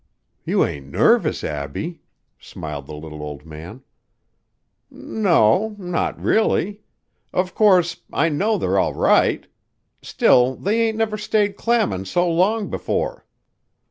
"You ain't nervous, Abbie," smiled the little old man. "N o, not really. Of course, I know they're all right. Still, they ain't never stayed clammin' so long before."